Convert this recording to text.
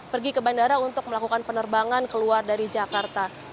pergi ke bandara untuk melakukan penerbangan keluar dari jakarta